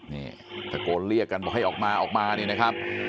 นี่ตะโกนเรียกกันบอกให้ออกมาออกมานี่นะครับ